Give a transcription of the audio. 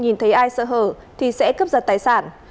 nhìn thấy ai sợ hở thì sẽ cướp giật tài sản